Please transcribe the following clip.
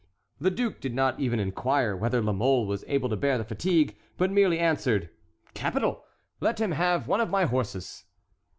The duke did not even inquire whether La Mole was able to bear the fatigue, but merely answered: "Capital! Let him have one of my horses."